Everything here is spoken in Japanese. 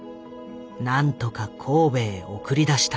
なんとか神戸へ送り出した。